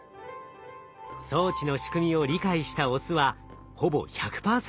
装置の仕組みを理解したオスはほぼ１００％